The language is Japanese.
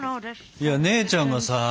いや姉ちゃんがさ。